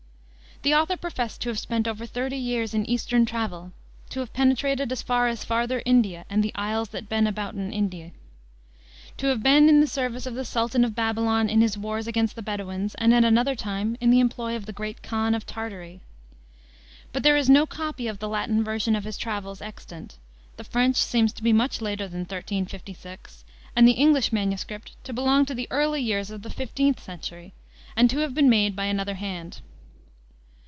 The author professed to have spent over thirty years in Eastern travel, to have penetrated as far as Farther India and the "iles that ben abouten Indi," to have been in the service of the Sultan of Babylon in his wars against the Bedouins, and, at another time, in the employ of the Great Khan of Tartary. But there is no copy of the Latin version of his travels extant; the French seems to be much later than 1356, and the English MS. to belong to the early years of the fifteenth century, and to have been made by another hand.